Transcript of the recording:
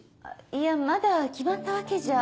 いやまだ決まったわけじゃ。